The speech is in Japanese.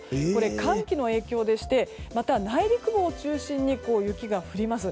寒気の影響でして内陸部を中心に雪が降ります。